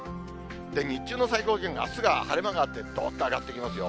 日中の最高気温が、あすは晴れ間があって、どーっと上がっていきますよ。